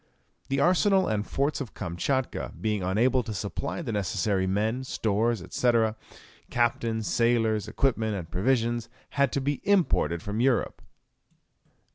The arsenal and forts of Kamtchatka being unable to supply the necessary men, stores, &c., captains, sailors, equipment, and provisions, had to be imported from Europe.